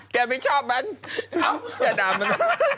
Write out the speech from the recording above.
แกไม่ชอบมัน